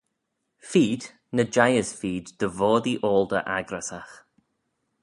Feed, ny jeih as feed dy voddee oaldey accrysagh.